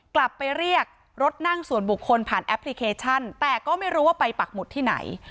กลับไปเรียกรถนั่งส่วนบุคคลผ่านแอปพลิเคชันแต่ก็ไม่รู้ว่าไปปักหมุดที่ไหน